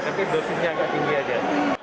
tapi dosisnya agak tinggi aja